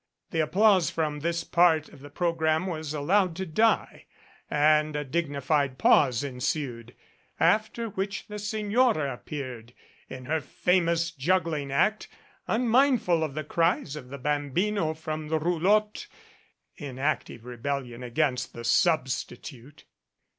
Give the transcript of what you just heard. The applause from this part of the program was allowed to die and a dig nified pause ensued, after which the Signora appeared in her famous juggling act, unmindful of the cries of the bambino from the roulotte in active rebellion against the substitute.